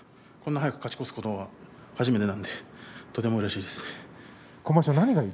こんなに早く勝ち越すことは初めてなんでとてもうれしいです。